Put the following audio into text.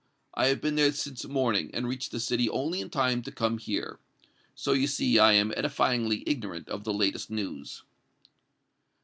I have been there since morning, and reached the city only in time to come here. So, you see, I am edifyingly ignorant of the latest news."